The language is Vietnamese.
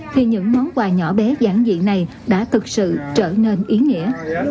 thì những món quà nhỏ bé giản dị này đã thực sự trở nên ý nghĩa